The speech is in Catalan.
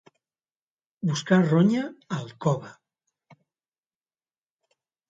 Buscar ronya al cove.